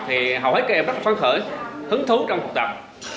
thì hầu hết các em rất phán khởi hứng thú trong cuộc tập